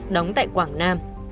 đóng tại quảng nam